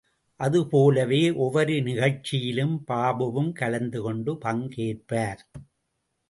அது போலவே ஒவ்வொரு நிகழ்ச்சியிலும் பாபுவும் கலந்து கொண்டு பங்கேற்பார்.